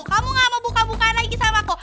kamu gak mau buka buka lagi sama aku